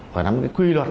phải nắm cái quy luật